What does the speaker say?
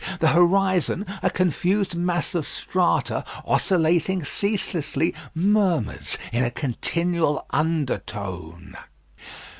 The horizon, a confused mass of strata, oscillating ceaselessly, murmurs in a continual undertone.